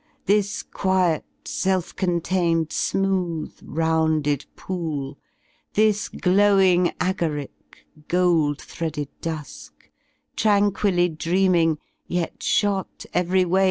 This quiet, self contained, smooth, rounded pool, 85 Thii glowing agaric, gold threaded d%4^ky Tranquilly dreamvng, yet shot every way.